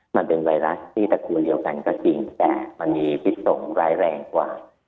มันเป็นไวรัสที่ตระกูลเดียวกันก็จริงแต่มันมีพิษสงฆ์ร้ายแรงกว่า